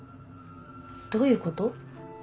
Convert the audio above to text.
どういうこと？